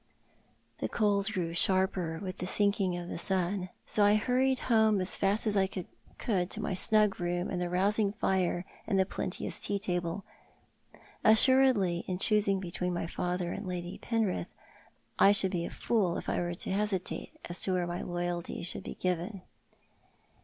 The cold grew sharper with the sinking of the sun, so I hurried home as fast as I could to my snug room and rousing fire and plenteous tea table. Assuredly in choosing between my father and Lady Penrith, I should be a fool if I were to hesitate as to where my loyalty should be given.